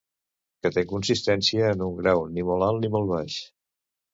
Que té consistència en un grau ni molt alt ni molt baix.